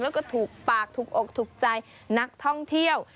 แล้วก็ถูกปากถูกอกถูกใจนักท่องเที่ยว